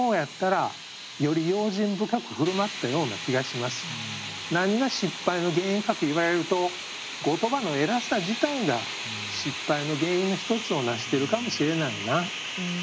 ひょっとしたらね何が失敗の原因かといわれると後鳥羽の偉さ自体が失敗の原因の一つを成してるかもしれないな。